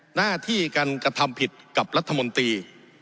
หน้าที่การกระทำผิดกับรัฐมนตรี